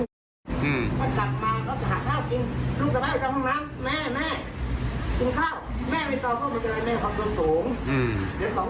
พอจากมาเขาจะหาข้าวกินดูตรงนั้นแม่กินข้าวแม่ไม่ตอบก็ไม่มีอะไรแม่ความว่าทุนสูง